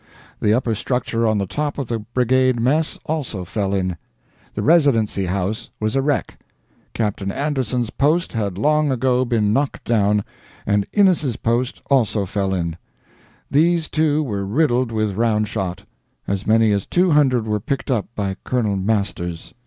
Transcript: The upper structure on the top of the brigade mess also fell in. The Residency house was a wreck. Captain Anderson's post had long ago been knocked down, and Innes' post also fell in. These two were riddled with round shot. As many as 200 were picked up by Colonel Masters."